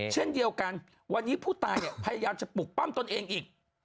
เช่นเดียวกันวันนี้ผู้ตายเนี่ยพยายามจะปลุกปั้มตนเองอีก